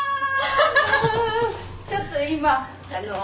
ちょっと今あの。